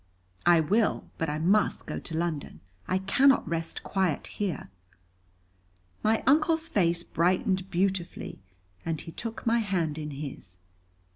"I will. But I must go to London. I cannot rest quiet here." My Uncle's face brightened beautifully. And he took my hand in his.